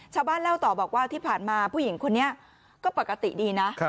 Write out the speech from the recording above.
ชาวบ้านเล่าต่อบอกว่าที่ผ่านมาผู้หญิงคนนี้ก็ปกติดีนะ